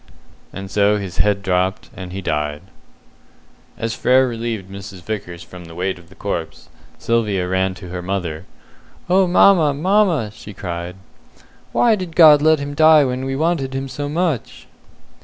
And so his head dropped, and he died. As Frere relieved Mrs. Vickers from the weight of the corpse, Sylvia ran to her mother. "Oh, mamma, mamma," she cried, "why did God let him die when we wanted him so much?"